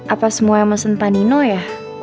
apa semua yang mesen panino ya